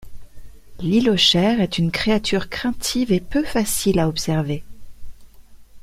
L'hylochère est une créature craintive et peu facile à observer.